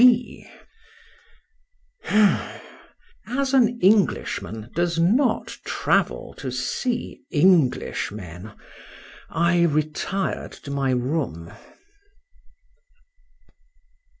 —As an Englishman does not travel to see Englishmen, I retired to my room.